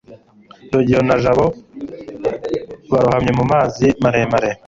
rugeyo na jabo barohamye mu mazi maremare